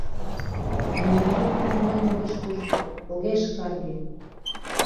Но молан вара мыйым огеш вурсо, огеш карге?!